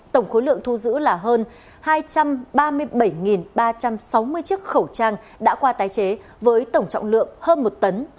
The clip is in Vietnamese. tổng khối lượng thu giữ là hơn hai trăm ba mươi bảy ba trăm sáu mươi chiếc khẩu trang đã qua tái chế với tổng trọng lượng hơn một tấn